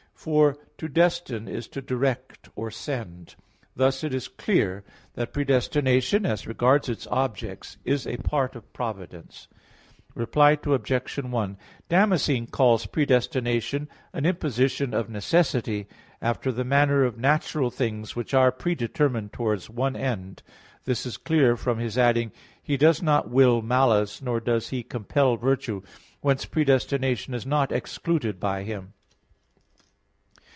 For to destine, is to direct or send. Thus it is clear that predestination, as regards its objects, is a part of providence. Reply Obj. 1: Damascene calls predestination an imposition of necessity, after the manner of natural things which are predetermined towards one end. This is clear from his adding: "He does not will malice, nor does He compel virtue." Whence predestination is not excluded by Him.